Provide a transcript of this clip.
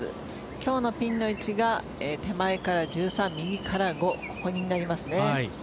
今日のピンの位置が手前から１３、右から５ここになります。